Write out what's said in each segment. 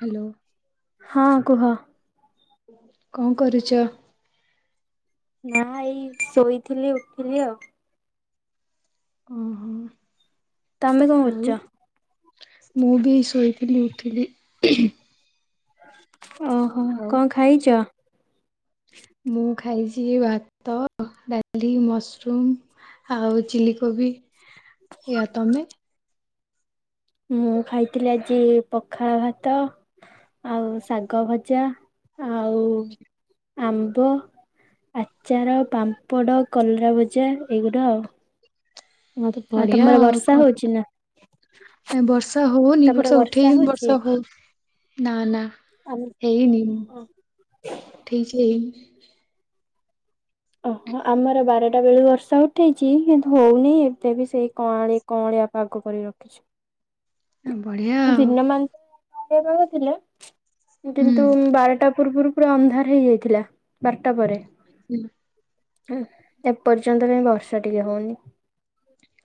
Hello. ହଁ କୁହ। କ ଣ କରୁଚ? ନା ଏଇ ଶୋଇଥିଲି ଉଠଲି ଆଉ। ଓହୋ ତମେ କଣ ଆଉ କରୁଛ? ମୁଁ ବି ଶୋଇଥିଲି। ଥିଲି ଓହୋ କଣ ଖାଇଛ? ମୁଁ ଖାଇଛି ଭାତ ଡାଲି ମସରୁମ। ଆଉ ଚିଲ କୋବି ଇା ତମେ? ମୁଁ ଖାଇଥିଲି ଆଜି ପଖାଳ ଭାତ। ଆଉ ଶାଗ ଭଜା। ଆଉ କିଛି ଆମ୍ବ ଆଚାର ପାମ୍ପଡ଼ କଲରା ଭଜା ଏଇଗୁଡା ଆଉ। ମୋତେ ବଢିଆ ତମର ଆଉ ବର୍ଷା କଣ? ହଉଛି ନା? ନାଇ ବର୍ଷା ହଉନିି ତମର ବର୍ଷ ବର୍ଷା ଉଠେଇଛି କିନ୍ତୁ ହଉଛି? ବର୍ଷା ହଉ ନା ନା। ଆମ ହେଇନି ଠିକସେ ହେଇିନି। ଓହୋ ଆମର ବାରଟା ବେଳୁ ବର୍ଷା ଉଠେଇଚି କିନ୍ତୁ ହଉନି ଏବେ ବି ସେଇ କଁଳି କଁଳି। ପାଗ କରି ରଖିଛି। ବଢିଆ ଆଉ। କେତେ ଜଣ ଥିଲେ ହୁଁ। କିନ୍ତୁ ବାରଟା ପୂର୍ବରୁ ପୂରା ଅନ୍ଧାର ହେଇଯାଇଥିଲା ବାରଟା ପରେ। ହୁଁ। ହ ଏପର୍ଯ୍ୟନ୍ତ କାଇଁ ବର୍ଷା ଟିକେ ହୋଉନି।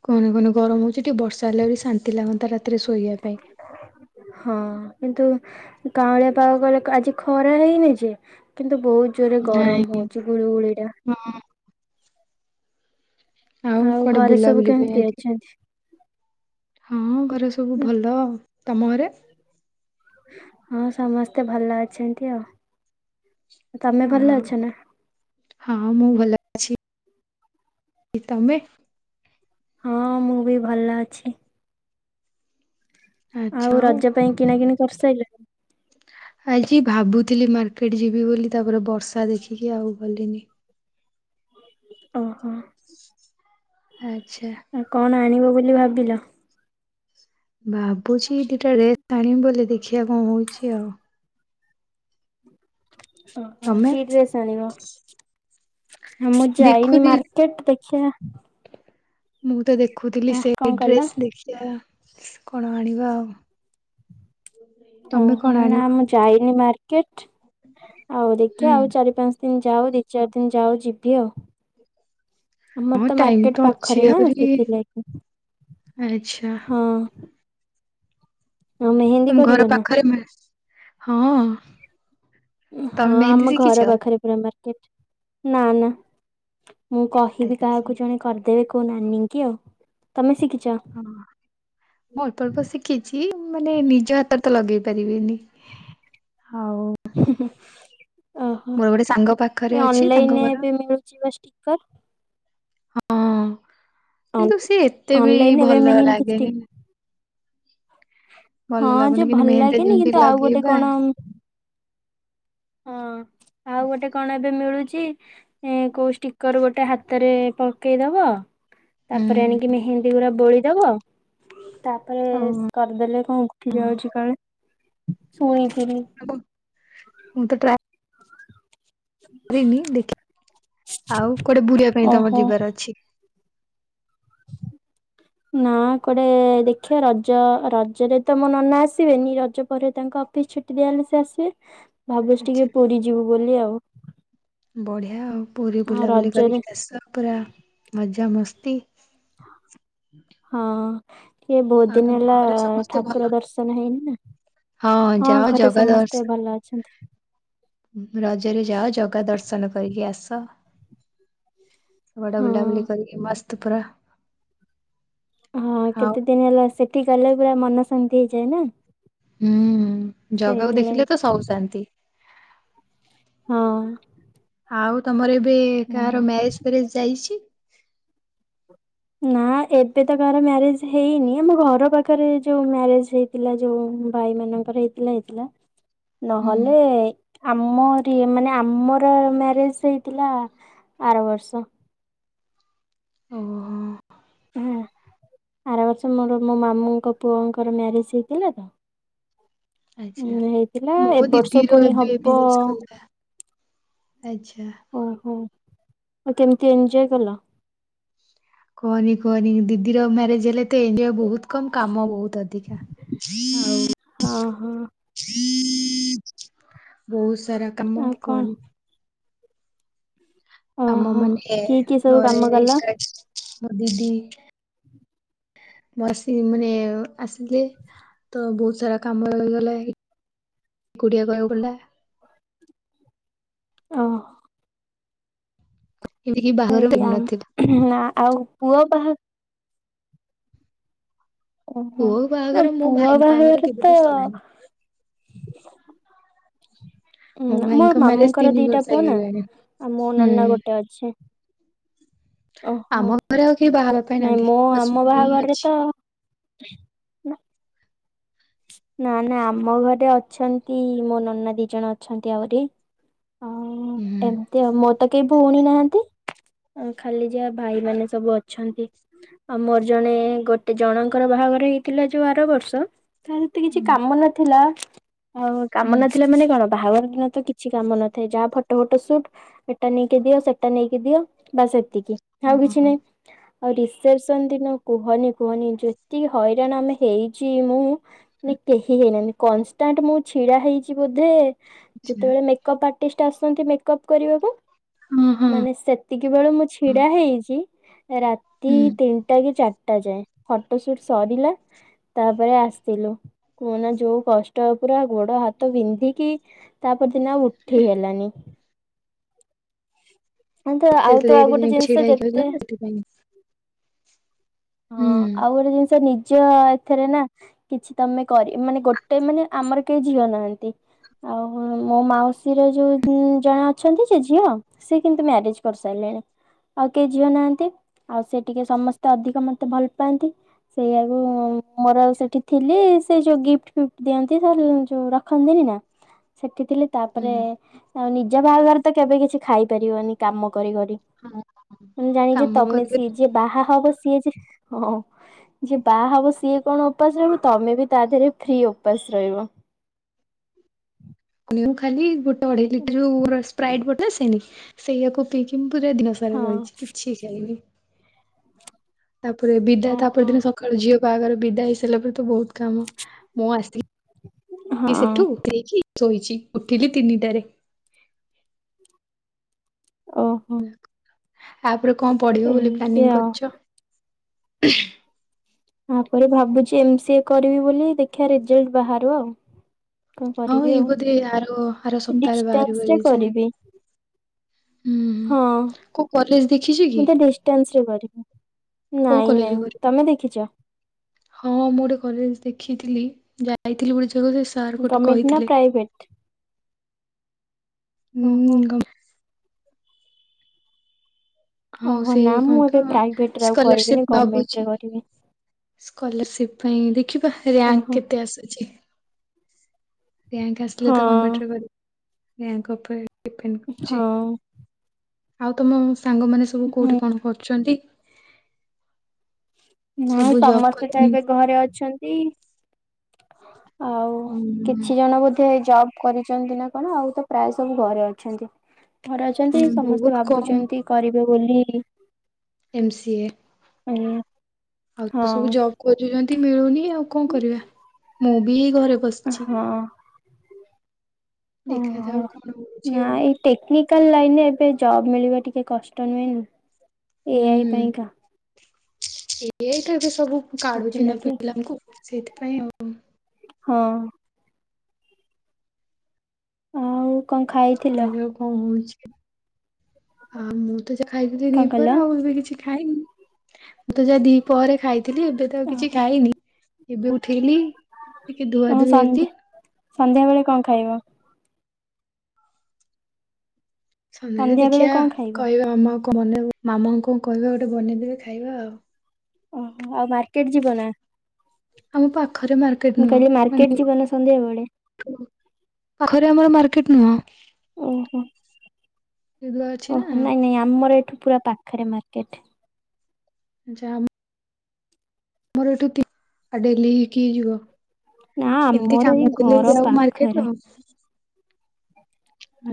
କହନି କହନି ଗରମ ହୋଉଚି ଟିକେ ବର୍ଷ ହେଲା ବୋଲି ଶାନ୍ତି ଲାଗନ୍ତା ରାତିରେ। ଶୋଇବା ପାଇଁ। ହଁ। କିନ୍ତୁ କାଉଁଳିଆ ପାଗ କଲେ ଆଜି ଖରା ହେଇନି ଯେ କିନ୍ତୁ ବହୁତ ଜୋରେ ନାଇଁ ଗରମ ହଉଛି ଗୁଳିୁଗୁଳି ଟା ହଁ ଆଉ କୂଆଡେ ଘରେ ସବୁ ବୁଲାବୁଲି ପାଇଁ କେମିତି ଆଜି ଅଛନ୍ତି? ହଁ ଘରେ ସବୁ ଭଲ ଉ ତମ ଘରେ? ହଁ ସମସ୍ତେ ଭଲ ଅଛନ୍ତି ଆଉ। ତମେ ଭଲ ଆଉ ଅଛ ନା? ହଁ ମୁଁ ଭଲ ଅଛି ତମେ? ହଁ ମୁଁ ବି ଭଲ ଅଛି। ଆଉ ରଜ ପାଇଁ କିଣା କିିଣି କରିସାରିଲନି? ଆଜି ଭାବୁଥିଲି ମାର୍କେଟ ଯିବି ବୋଲି ତାପରେ ବର୍ଷା ଦେଖିକି ଆଉ ଗଲିନି। ଓହୋ ଆଚ୍ଛା ଆଉ କଣ ଆଣିବ? ବୋଲି ଭାବିଲ। ଭାବୁଛି ଦିଟା ଡ୍ରେସ ଆଣିବି ବୋଲି ଦେଖିବା କଣ ହଉଛି ଆଉ। ଓ ତମେ? କି ଡ୍ରେସ ଆଣିିବ ମୁଁ ଯାଇନି ଦେଖୁଥିଲି ମାର୍କେଟ ଦେଖିବା? ମୁଁ ତ ଦେଖୁଥିଲି ଆ ସେ କଣ କହିଲ ଡ୍ରେସ ଦେଖିବା କଣ ଆଣିବ ଆଉ? ତମେ ଓହୋ କଣ ନା ଆଣିବ? ମୁଁ ଯାଇନି ମାର୍କେଟ ଆଉ ହୁଁ ଦେଖିବା ଆଉ ଚାରି ପାଞ୍ଚ ଦିନ ଯାଉ। ଯାଉ ଦି ଚାରି ଦିନ ଯାଉ ଯିବି ଆଉ। ଆମର ହଁ ତ ଟାଇମ ମାର୍କେଟ ଅଛି ପାଖରେ ନା ଆହୁରି ସେଥିଲାଗି ଆଚ୍ଛା ହଁ। ଆଉ ମେହେନ୍ଦୀ ତମ କରିବ ଘର ନା? ପାଖରେ ମିଳୁଛି ହଁ। ତମେ ହଁ ମେହେନ୍ଦୀ ଆମ ଶିଖିଛ? ଘର ପାଖରେ ପୁରା ମାର୍କ କେଟ୍ ନା ନା ମୁଁ କହିବି ଆଚ୍ଛା କାହାକୁ ଜଣେ କରିଦେବେ ମୋ ନାଁନି ଙ୍କି ଆଉ ତମେ ଶିଖ ଗି ହଁ ମୁଁ ଅଳ୍ପ ଅଳ୍ପ ଶିଖିଛି। ମାନେ ନିଜ ହାତରେ ତ ଲଗେଇ ପାରିବିନି। ହଉ ହିଁ ହିଁ ଓହୋ ଗୋଟେ ସାଙ୍ଗ ପାଖରେ ଏ ଅଛି ତାଙ୍କ ଅନଲାଇନରେ ଘର ଏବେ ମିଳୁଛି ବା ଷ୍ଟିକର? ହଁ କିନ୍ତୁ ସିଏ ଏତେ ବି ଅନଲାଇନ ଏବେ ଭଲ ମେହେନ୍ଦୀ ଷ୍ଟିକ ଲାଗେନି। ଭଲ ହଁ ଲାଗୁନି ଯେ କିନ୍ତୁ ଭଲ ମେହେନ୍ଦୀ ଲାଗେନି ଯେମିତି କିନ୍ତୁ ଆଉ ଗୋଟେ ଲଗେଇବା କଣ ହଁ। ଆଉ ଗୋଟେ କଣ ଏବେ ମିଳୁଛି ଏଁ କୋଉ ଷ୍ଟିକର ଗୋଟେ ହାତରେ ପକେଇଦବ ତାପରେ ହୁଁ ଆଣିକି ମେହେନ୍ଦୀ ପୁରା ବୋଳିଦେବ। ତାପରେ ଆଉ ଇସ୍ କରିଦେଲେ କଣ ଉଠି ଯାଉଛି କଣ ଶୁଣିଥିଲି। ମୁଁ ତ ରିନି ଦେଖ ଆଉ କୁଆଡେ ବୁୁଡିବା ପାଇଁ ତମର ଓହୋ। ଯିବାର ଅଛି? [inaudible] ନା କୁଆଡେ ଦେଖିବା ରଜ ରଜରେ ତ ମୋ ନନା ଆସିବେନି ରଜ ପରେ ତାଙ୍କ କ ଅଫିସ ଛୁଟି ଦିଆହେଲେ ସେ ଆସିବେ ଭାବୁଛି ଆଚ୍ଛା ଟିକେ ପୁରୀ ଯିବୁ ବୋଲି ଆଉ। ବଢିଆ ଆଉ ପୁରୀ ଆଉ ବୁଲାବୁଲି ରଜରେ କରିକି ଆସ ପୁରା ମଜା ମସ୍ତି। ହଁ। ଇଏ ବହୁତ ଆଉ ଦିନ ତମ ହେଲା ଘରେ ସମସ୍ତେ ଭଲ? ଠାକୁର ଦର୍ଶନ ହେଇନି ନା। ହଁ ଯାଅ ଘରେ ଜଗା ଦର୍ଶ ସମସ୍ତେ ଭଲ ଅଛନ୍ତି। ରଜରେ ଯାଅ ଜଗା ଦର୍ଶନ କରିକି ଆସ। ବଡ଼ ହଁ। ବୁଲାବୁଲି କରିକି ମସ୍ତ ପୁରା। ହଁ ଆଉ କେତେ ଦିନ ହେଲା ସେଠି ଗଲେ ପୁରା ମନ ଶାନ୍ତି ହେଇଯାଏ ନା? ହୁଁ ଜଗାକୁ ସେଇଥିଲାଗି ଦେଖିଲେ ତ ସବୁ ଶାନ୍ତି। ହଁ। ଆଉ ତମର ଏବେ କାହାର ମ୍ୟାରେଜ ଫ୍ୟାରେଜ ଯାଇଛି? ନା ଏବେ ତ କାହାର ମ୍ୟାରେଜ ହେଇନି ଆମ ଘର ପାଖରେ ଯୋଉ ମ୍ୟାରେଜ ହେଇଥିଲା ଯୋଉ ଭାଇ ମାନଙ୍କର ହେଇଥିଲା ହେଇଥିଲା ହୁଁ। ନହେଲେ ଆମ ଟି ଏ ମାନେ ଆମର ମ୍ୟାରେଜ ହେଇଥିଲା ଆର ବର୍ଷ। ଓହୋ। ହୁଁ। ଆର ବର୍ଷ ମୋର ମୋ ମାମୁଁଙ୍କ ପୁଅଙ୍କର ମ୍ୟାରେଜ ହେଇଥିଲା ତ। ଆଚ୍ଛା ଉଁ ହେଇଥିଲା ମୋ ଏ ବର୍ଷ ଦିଦିର ପୁଣି ଏବେ ହବ ମ୍ୟାରେଜ କଲା। ଆଚ୍ଛା। ଓହୋ ଆଉ କେମିତି ଏଞ୍ଜୋଅୟ୍ କଲ? କୁହନି କୁହନି ଦିଦିର ମ୍ୟାରେଜ୍ ହେଲେ ତ ଏଞ୍ଜଏ ବୋହୁତ କମ୍ କାମ ବୋହୁତ ଅଧିକା ଆଉ ହଁ ହଁ ବୋହୁତ ସାରା କାମ ଆଉ କଣ? କୁହନି। ଆମ ଓହୋ ମାନେ ଏ କିଏ କିଏ ସବୁ ଘରେ କାମ କଲ ଏକା ମୋ ଦିଦି [inaudible] ମୁଁ ଆସି ମାନେ ଆସିଲେ ତ ବୋହୁତ ସାରା କାମ ରହିଗଲା ଏ କୁଟିଆ କଥୁଲା। ଓଃ। ଏମିତିକି ଏ ବାହାଘର ଆଉ ହେଇନଥିଲା ଆ ନାଁ ଆଉ ପୁଅ ବାହା ଓହୋ ପୁଅ ନାଁ ବାହାଘର ମୋ ପୁଅ ଭାଇଙ୍କ ବାହାଘର ତ କେବେଠୁ ସରିଲାଣି। [inaudible] ଉଁ ମୋ ଭାଇଙ୍କ ମ୍ୟାରେଜ ମାମୁଙ୍କର ତିନି ଦିଟା ବର୍ଷ ପୁଅ ନାଁ ହେଇଗଲାଣି ଆଉ ମୋ ହୁଁ ନନା ଗୋଟେ ଅଛି। ଓହୋ ଆମ ଘରେ ଆଉ କେହି ବାହାହେବା ପାଇଁ ନାଇଁ ନାହାନ୍ତି ମୁଁ ବାସ୍ ଆମ ହିଁ ବାହାଘରରେ ଅଛି। ତ ନାଁ ନାଁ ନାଁ ଆମ ଘରେ ଅଛନ୍ତି ମୋ ନନା ଦି ଜଣ ଅଛନ୍ତି ଆହୁରି। ଆ ଏମତି ଆଉ ମୋ ତ କେହି ଭଉଣୀ ନାହା ଅ ଖାଲି ଯାହା ଭାଇମାନେ ସବୁ ଅଛନ୍ତି ଆଉ ମୋର ଜଣେ ଗୋଟେ ଜଣଙ୍କର ବାହାଘର ହେଇଥିଲା ଯୋଉ ଆର ବର୍ଷ ତା ହେତେ କିଛି ହୁଁ କାମ ନଥିଲା। ଆଉ କାମ ହୁଁ ନଥିଲା ମାନେ କଣ ବାହାଘର ଦିନ ତ କିଛି କାମ ନଥାଏ ଯାହା ଫଟ ଉଟ ସୁଟ୍ ଏଟା ନେଇକି ଦିଅ ସେଟା ନେଇକି ଦିଅ ବାସ୍ ଏ ତିକି ଆଉ ହଁ କିଛି ନାହିଁ। ଆଉ ରିସେପ୍ସନ୍ ଦିନ କୁହନି କୁହନି ଯେତିକି ହଇରାଣ ଆମେ ହେଇଚି ମୁଁ। ନେ କେହି ହେଇନାହାନ୍ତି କନଷ୍ଟାଣ୍ଟ୍ ମୁଁ ଛିଡ଼ା ହେଇଚି ବୋଧେ ଆଚ୍ଛା ଯେତୋଳେ ମେକପ୍ ଆ ଟିଷ୍ଟ୍ ଆସନ୍ତି ମେକପ୍ କରିବାକୁ ହଁ ହଁ ମାନେ ସେତିକି ବେଳୁ ମୁଁ ହଁ ଛିଡ଼ା ହେଇକି ରାତି ହୁଁ। ତିନିଟା କି ଚାର୍ ଟା ଯାଏଁ ଫଟ ସୁଟ୍ ସରିଲା ତାପରେ ଆସିଲୁ। କୁହନା ଯୋଉ କଷ୍ଟ ପୁରା ଗୋଡ଼ ହାତ ବିନ୍ଧିକି ତା ଉ ଦିନ ଆଉ ଉଠି ହେଲାନି। ଆଉ ତ ଏତେ ଆଉ ତ ଲେଟ୍ ଆଉ ଗୋଟେ ଯାଏ ଜିନିଷ ଛିଡା ହେଇକି ରହିଲା ଯେତେ ନା ସେଥିପାଇଁ ହଁ ହୁଁ ଆଉ ଗୋଟେ ଜିନିଷ ନି ଜ ଏଥେରେ ନାଁ କିଛି ତମେ କରି ମାନେ ଗୋଟେ ମାନେ ଆମର କେହି ଝିଅ ନାହାନ୍ତି। ଆଉ ବୋ ମୋ ମାଉସୀର ଯୋଉ ଜଣେ ଅଛନ୍ତି ଯେ ଝିଅ ସେ କିନ୍ତୁ ମ୍ୟାରେଜ୍ କରିସାଇଲେଣି। ଆଉ କେହି ଝିଅ ନାହାନ୍ତି ଆଉ ସେ ଟିକେ ସମସ୍ତେ ଅଧିକ ମତେ ଭଲ ପାଆନ୍ତି। ସେଇଆକୁ ମୋର ଆଉ ସେଠି ଥିଲି ସେ ଯୋଉ ଗିଫ୍ଟ୍ ଫିଫ୍ଟ୍ ଦିଅନ୍ତି ସେ ଯୋଉ ରଖନ୍ତିନି ନାଁ ସେ ସେଠିଥିଲି ହୁଁ ତାପରେ ଆଉ ନିଜ ବାହାଘର ତ କେବେ କିଛି ଖାଇପାରିବନି କାମ କରି କରି ହଁ ହଁ। ଉଁ ଜାଣିକି କାମ ତମେ କରି ସିଏ କରି ଯିଏ ବାହା ହବ ସିଏ ଯେ ହଁ ଯିଏ ବାହା ହବ ସିଏ କଣ ଓପାସ ରହିବ ତମେ ବି ତା ଧେରେ ଫ୍ରି ଓପାସ୍। ରହିବ। ମୁଁ ଖାଲି ଗୋଟେ ଅଢ଼େଇ ଲିଟରୁ ର ସ୍ପ୍ରାଇଟ୍ ବୋଟଲ୍ ସେନି ସେଇଆକୁ ପିଇକି ମୁଁ ପୁରା ଦିନ ସାରା ହଁ। ରହିଚି କିଛି ଖାଇନି। ତାପରେ ବିଦା ତାପର ଓହୋ। ଦିନ ସକାଳୁ ଝିଅ ବାହାଘର ବିଦା ହେଇସାରିଲା ପରେ ତୁ ବୋହୁତ କାମ ମୁଁ ଆସି ହଁ ସେଠୁ ଦେଇକି ସୋଇଚି ଉଠିଲି ତିନିଟାରେ। ଓହୋ। ଆ ପରେ କଁ ପଢ଼ିବ ବୋଲି ଏମିତି ପ୍ଲାନିଂ ଆଉ। କରୁଚ? ଆ ପରେ ଭାବୁଚି ଏମ୍ ସି ଏ କରିବି ବୋଲି ଦେଖିବା ରେଜଲ୍ଟ ବାହାରୁ ଆଉ। କଣ ହଁ କରିବି ଏଇ ଆଉ ବୋଧେ ଆର ଆର ସପ୍ତାହରେ ବାହାରିବ ଡିଷ୍ଟାନ୍ସରେ ରେଜଲ୍ଟ। କରିବି। ହୁଁ ହଁ କୋଉ କଲେଜ ଦେଖିଛୁ କି? ମୁ ତ ଡିଷ୍ଟାନ୍ସରେ କରେ କୋଉ ନାଇଁ କଲେଜ ନାଇଁ କରିବ? ତମେ ଦେଖିଛ ହଁ ମୁଁ ଗୋଟେ କଲେଜ ଦେଖିଥିଲି ଯାଇଥିଲି ଗୋଟେ ସେ ସାର୍ ଗୋଟେ ଗମେଣ୍ଟ ନା କହିଥିଲେ ପ୍ରାଇଭେଟ ଓହୋ। ହୁଁ ଆଉ ଓହୋ ସେ ନା କହ ମୁଁ ଏବେ ତ ପ୍ରାଇଭେଟ ରେ ଆଉ କରିବିନି ସ୍କଲରସିପ ଗଭର୍ଣମେଣ୍ଟ ରେ ଭାବୁଛି। କରିବି। ସ୍କଲାରସିପ ପାଇଁ ଦେଖିବା ରାଙ୍କ୍ ଓହୋ କେତେ ଆସୁଛି। ସେ ୟାଙ୍କୈ ଆସିଲେ ହଁ ତ ଗମେଣ୍ଟ ରେ କରି ୟାଙ୍କ ଉପରେ ଡିଫେଣ୍ଡ୍ କରୁଛି ହଁ ଆଉ ତମ ସାଙ୍ଗ ମାନେ ସବୁ ହୁଁ କୋଉଠି କଣ କରୁଛନ୍ତି। ନା ସବୁ ଜବ୍ ସମସ୍ତେ ତ କଲେଣି ଏବେ ଘରେ ଅଛନ୍ତି। ଆଉ ହୁଁ କିଛି ଜଣ ବୋଧେ ଏ ଜବ୍ କରିଛନ୍ତି ନା କଣ ଆଉ ତ ପ୍ରାୟ ସବୁ ଘରେ ଅଛନ୍ତି। ଘରେ ହଁ ଅଛନ୍ତି ସମସ୍ତେ ବହୁତ କମ୍ ଭାବୁଛନ୍ତି କରିବେ ବୋଲି ଏମ ସି ଏ। ଆଉ ତ ସବୁ ହଁ। ଜବ୍ ଖୋଜୁଛନ୍ତି ମିଳୁନି ଆଉ। ଆଉ କଣ କରିବା ମୁଁ ବି ଏଇ ଘରେ ବସିଛି। ହଁ ଓହୋ ଦେଖାଯାଉ କଣ ହଉଛି ନା ଆଉ ଏଇ ଟେକ୍ନିକାଲ ଲାଇନ ଏବେ ଜବ୍ ମିଳିବା ଟିକେ କଷ୍ଟ ନୁହେଁ ନା ଏଆଇ ପାଇଁ ହୁଁ କା। ଏବେ ସବୁ କାଢୁଛି ନା ପିଲାମାନଙ୍କୁ ସେଇଥିପାଇଁ ଆଉ ହଁ। ଆଉ। କଣ ଖାଇଥିଲ ଉ କଣ ହଉଛି ଆ ମୁଁ ତ ଯ ଖାଇଥିଲି କଣ ଦିପରେ ଆଉ କହିଲ? ଏବେ କିଛି ଖାଇନି ମୁଁ ତ ଯାହା ଦିପହରେ ଖାଇଥିଲି ଏବେ ତ ଆଉ କିଛି ଖାଇନି ଏବେ ଉଠ ଲି ଟିକେ ଧୁଆ ତମ ଧୁଇ ସନ୍ଧ୍ୟା ହେଲି। ସନ୍ଧ୍ୟା ବେଳେ କଣ ଖାଇବ? ସନ୍ଧ୍ୟାଳେ ସନ୍ଧ୍ୟା ବେଳେ ଦେଖିବା କଣ ଖାଇବ? କହିବା ମାମା କଣ ବନେଇବା ମାମାଙ୍କୁ କଣ କହିବା ଗୋଟେ ବନେଇଦେବେ ଖାଇବା ଆଉ। ଓୋ ଆଉ ମାର୍କେଟ ଯିବ ନା? ଆମ ପାଖରେ ମାର୍କେଟ ମୁଁ ନୁହଁ କହିଲି ମାର୍କେଟ ମାନେ ଯିବ ନା ସନ୍ଧ୍ୟାବେଳେ? ପାଖରେ ଆମର ମାର୍କେଟ ନୁହଁ। ଓହୋ। ସେଗୁଡା ଅଛି ନା ଓହୋ ନାଇଁ ନାଇଁ ଆମର ଏଠୁ ପୁରା ପାଖରେ ମାର୍କେଟ୍। ଯାମ ଆମର ଏଠୁ [unintelligible] ଆ ଡେଲି ହେଇକି ଯିବ। ନା ଏମିତି ଆମର ଏଇ କାମ ଥିଲେ ଘର ଯାଉ ପାଖରେ। ମାର୍କେଟ ଆଉ।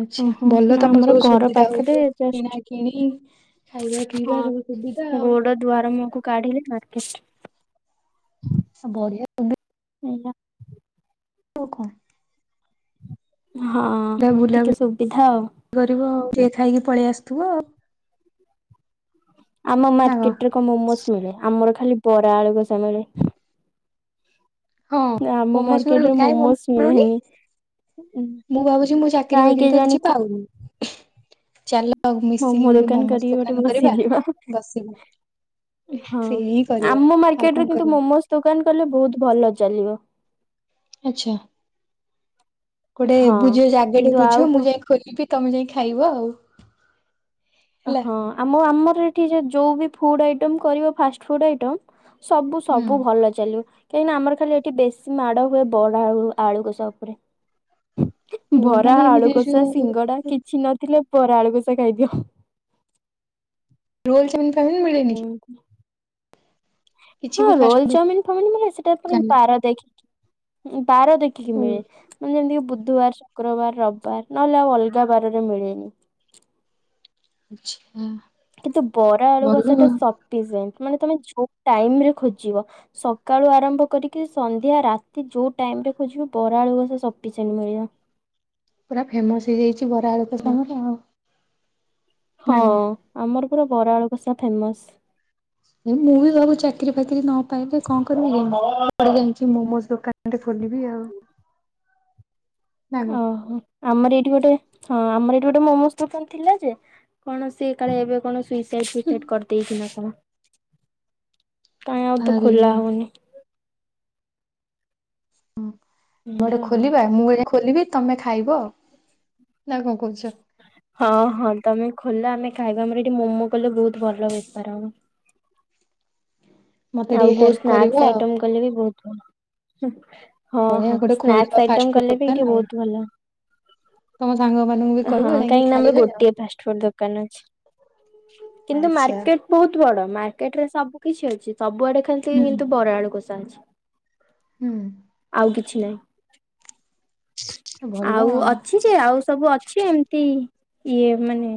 ଆଚ୍ଛା ଓହୋ ଭଲ ନା ତମର ଆମର ସବୁ ଘର ସୁବିଧା ପାଖରେ ହଉଥିବ କିଣା ଜଷ୍ଟ କିଣି ଖାଇବା ପିଇବା ସବୁ ସୁବିଧା ହଁ। ଆଉ ଗୋଡ ଦୁଆର ମୁହକୁ କାଢିଲେ ମାର୍କେଟ। ବଢିଆ [inaudible] [inaudible] ତୁ କ। [unintelligible] ହଁ ବୁଲା ଟିକେ ସୁବିଧା ଆଉ। କରିବ ଆଉ ଟିକେ ଖାଇକି ପଳେଇ ଆସଥିବ ଆଉ। ଆମ ମାର୍କେଟରେ କଣ ମୋ ମୋ ମିଳେ ଆମର ଖାଲି ବରା ଆଳୁ କଷା ମିଳେ। ହଁ ଆମ ମୋମୋସ୍ ମିଳୁନି ମାର୍କେଟରେ କାଇଁ ମୋମୋସ୍ ମିଳୁନି ମିଳେନି। ମୁଁ ଭାବୁଛି ମୁଁ ଚାକିରି କାହିଁ ବାକିରି ତ କିଛି କେଜାଣି ପାଉନି। ଚାଲ ଆଉ ମିଶିକି ମୋମୋ ଗୋଟେ ଦୋକାନ ମମୋସ୍ କରିକି ଗୋଟେ ଦୋକାନ କରିବା ବସିଯିବା। ବସି ହଁ ଆମ କଣ ମାର୍କେଟରେ କିନ୍ତୁ କରିବା ମୋମୋସ୍ ଦୋକାନ କଲେ ବହୁତ ଭଲ ଚାଲିବ। ଆଛା ଗୋଟେ ହଁ ବୁଝ ଜାଗା ଟେ କିନ୍ତୁ ବୁଝ ଆଉ କ ମୁଁ ଯାଇ ଖୋଲିବି। ତମେ ଯାଇ ଖାଇବ ଆଉ। ହେଲା। ହଁ ଆମ ଆମର ଏଠି ଯୋଉ ଫୁଡ ଆଇଟମ କରିବ ଫାଷ୍ଟ ଫୁଡ ଆଇଟମ୍ ସବୁ ହୁଁ। ସବୁ ଭଲ ଚାଲିବ କାହିଁକିନା ଆମର ଖାଲି ଏଠି ବେଶୀ ମାଡ଼ ହୁଏ, ବରା ଆଉ ଆଳୁ କଷା ଉପରେ। ଓ ବରା ମାନେ ଏମିତି ଆଳୁକଷା ଯୋଉ ସିଙ୍ଗଡ଼ା କିଛି ନଥିଲେ ପରେ ଆଳୁକଷା ଖାଇଦିଅ। ରୋଲ୍ ଚାଓମିନ୍ ଫାଓମିନ୍ ମିଳେନି। ଏମିତି ହଁ କିଛି ବି ରୋଲ ଫାଷ୍ଟଫୁଡ ଚାଇମିନ୍ ଫାଇମିନ୍ ମିଳେ ସେଟା ପୁଣି ଦୋକାନରେ? ବାର ଦେଖିକି। ବାର ଦେଖିକି ଓ ମିଳେ ମାନେ ଯେମିତିକି ବୁ ବୁଧବାର, ଶୁକ୍ରବାର, ରବବାର ନହେଲେ ଆଉ ଅଲଗା ବାରରେ ମିଳେନି। ଆଛା। କିନ୍ତୁ ବରା ଆଳୁ କଷା ଟା ସଂପି ସେଣ୍ଟ। ମାନେ ତମେ ଯୋଉ ଟାଇମ୍ ରେ ଖୋଜିବ ସକାଳୁ ଆରମ୍ଭ କରିକି ସନ୍ଧ୍ୟା ରାତି ଯୋଉ ଟାଇମ ମ ଖୋଜିବ ବରା ଆଳୁ କଷା ସଫିଶେଏଣ୍ଟ ମିଳିବ। ପୁରା ଫେମସ୍ ହେଇଯାଇଛି ବରାଆଳୁକସା ତମର। ହଁ ନା କଣ? ଆମର ପୁରା ବରାଆଳୁକସା ଫେମସ୍। ଏ ମୁଁ ବି ଘରେ ଚାକିରି ଫାକିରି ନ ପାଇଲେ କଣ କରିବି ରିମ୍ ଝିମ୍ ମୋମୋସ୍ ଦୋକାନଟେ ଖଲିବି ଆଉ ନା କଣ। ଏଠି ଗୋଟେ ହଁ ଆମର ଏଠି ଗୋଟେ ମୋମୋସ୍ ଦୋକାନ ଥିଲା ଯେ କଣ ସିଏ କାଳେ ଏବେ କଣ ସୁଇସା ସୁଇସାଇଟ୍ କରିଦେଇଛି ନା କଣ। କାଇଁ ଆଉ ତ ଆରେ ବା ଖୋଲା ଆମେ ହଉନି? ହୁଁ ଗୋଟେ ଏଇଆ ଆଉ। ଖୋଲିବା ମୁଁ ଏଇନା ଖୋଲିବି ତମେ ଖାଇବ ଆଉ। ହଁ ହଁ ତମେ ଖୋଲ ଆମେ ଖାଇବା ଆମର ଏଠି ମୋମୋ କଲେ ବହୁତ ଭଲ ବେପାର ହେବା। ମତେ ଆଉ ଟିକେ କୋଉ ହେଲ୍ପ କରିବ ସ୍ନାକ୍ସ ଆଉ ଆଇଟମ କଲେ ବି ବହୁତ ଭଲ ହୁଁ। ହଁ ବଢିଆ ହଁ ଗୋଟେ ଖୋଲିଦବା ସ୍ନାକ୍ସ ଆଇଟମ ଫାଷ୍ଟଫୁଡ କଲେ ବି ଏଇଠି ଦୋକାନ ଆଉ। ବହୁତ ଭଲ। ତମ ସାଙ୍ଗ ମାନଙ୍କୁ ବି ହଁ କହିବ ଯାଇକି କାହିଁକି ନା ଆମର ଖାଇବେ ଆଉ। ଗୋଟଏ ଫାଷ୍ଟ ଫୁଡ୍ ଦୋକାନ ଅଛି। କିନ୍ତୁ ଆଚ୍ଛା। ମାର୍କେଟ ବହୁତ ବଡ଼ ମାର୍କେଟ ରେ ସବୁ କିଛି ଅଛି ସବୁଆଡ଼େ ଖାଲିି ହୁଁ କିନ୍ତୁ ବରା ଆଳୁକସା ଅଛି। ହୁଁ। ଆଉ କିଛି ନାହିଁ ଆଉ ଅଛି ଯେ ଆଉ ସବୁ ଅ ଛି ଏମତି ଇଏ ମାନେ